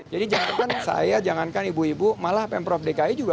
jadi jangan saya jangankan ibu ibu malah pemprov dki juga